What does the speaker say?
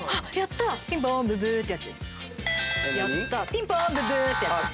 ピンポンブッブーってやつ。